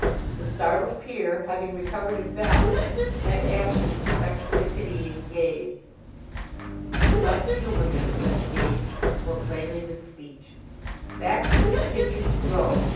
The startled peer, having recovered his balance, met Ashe's respectfully pitying gaze. "We must humor him," said the gaze, more plainly than speech. Baxter continued to grope.